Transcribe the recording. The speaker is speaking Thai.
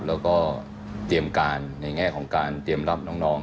แล้วก็เตรียมการในแง่ของการเตรียมรับน้อง